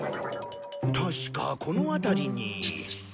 確かこの辺りに。